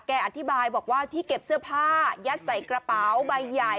อธิบายบอกว่าที่เก็บเสื้อผ้ายัดใส่กระเป๋าใบใหญ่